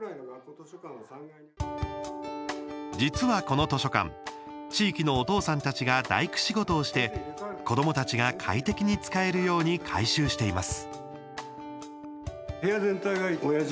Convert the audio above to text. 実は、この図書館地域のお父さんたちが大工仕事をして子どもたちが快適に使えるように改修しています。